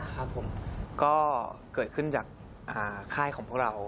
ครับผมก็เกิดขึ้นจากค่ายของพวกเรา